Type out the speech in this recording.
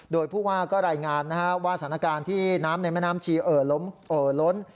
โดยผู้ว่าก็รายงานว่าสถานการณ์ที่น้ำในแม่น้ำชีเอ่อล้น